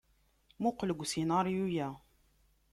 Muqel deg usinaryu-ya.